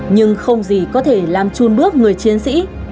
nhưng không gì có thể làm chun bước người chiến sĩ